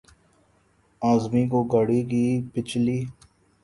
اعظمی کو گاڑی کی پچھلی